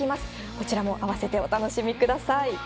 こちらも併せてお楽しみください。